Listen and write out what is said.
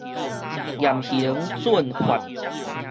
嚴刑峻法